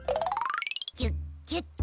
ギュッギュッと。